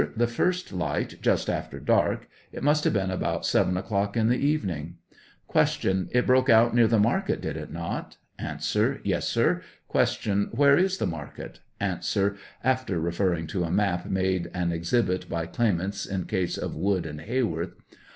The first light just after dark ; it must have been about 7 o'clock in the evening. 96 Q. It broke out near the market, did it not ? A. Yes, sir. Q. Where is the market? A. (After referring to a map, made an exhibit by claimants in case of Wood & Heyworth.)